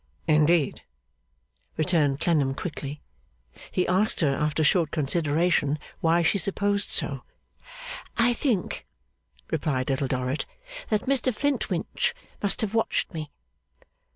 'Indeed!' returned Clennam quickly. He asked her, after short consideration, why she supposed so. 'I think,' replied Little Dorrit, 'that Mr Flintwinch must have watched me.